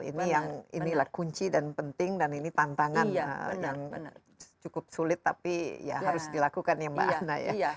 ini yang inilah kunci dan penting dan ini tantangan yang cukup sulit tapi ya harus dilakukan ya mbak anna ya